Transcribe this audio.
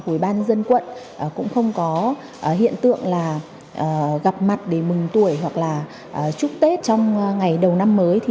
của ubnd quận cũng không có hiện tượng là gặp mặt để mừng tuổi hoặc là chúc tết trong ngày đầu năm mới